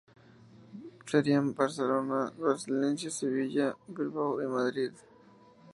Serían: Barcelona, Valencia, Sevilla, Bilbao y Madrid.